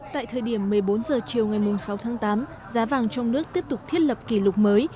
tại thời điểm một mươi bốn h chiều ngày sáu tháng tám giá vàng trong nước tiếp tục thiết lập kỷ lục mới